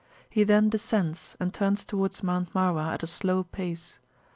He then descends, and turns towards Mount Marwah at a slow pace.